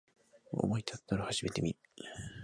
思いたったら始めてみる